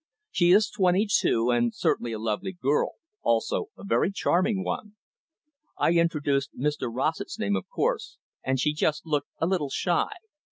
"She is twenty two, and certainly a lovely girl, also a very charming one. I introduced Mr Rossett's name, of course, and she just looked a little shy.